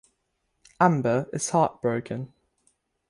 Amber is heartbroken.